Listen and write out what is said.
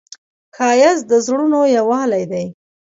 ښایست د زړونو یووالی دی